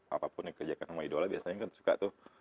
apapun yang kerjakan sama idola biasanya kan suka tuh